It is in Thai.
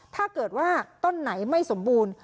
ถ้าเกิดว่าต้นไหนไม่สมบูรณ์